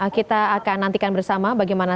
kita akan nantikan bersama bagaimana